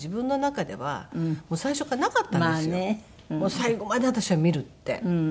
最後まで私は見るって。